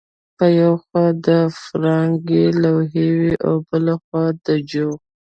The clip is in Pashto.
په یوه خوا د فرانک لوحې وې او بل خوا د جو